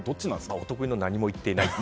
お得意の何も言っていない。